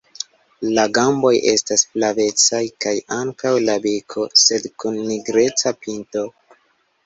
La gamboj estas flavecaj kaj ankaŭ la beko, sed kun nigreca pinto.